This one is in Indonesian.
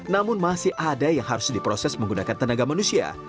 namun masih ada yang harus diproses menggunakan tenaga manusia